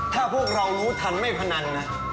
ถ้าพวกเรารู้ทันไม่พนันนะ